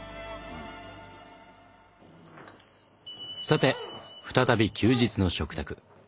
さて再び休日の食卓。